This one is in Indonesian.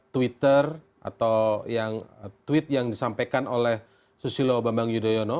twitter atau tweet yang disampaikan oleh susilo bambang yudhoyono